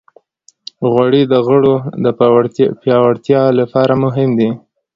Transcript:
غوړې د غړو د پیاوړتیا لپاره مهمې دي.